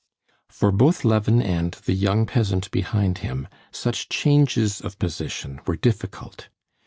For both Levin and the young peasant behind him, such changes of position were difficult.